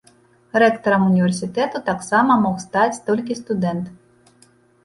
Рэктарам універсітэту таксама мог стаць толькі студэнт.